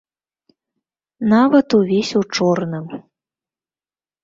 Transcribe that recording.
Нават увесь у чорным.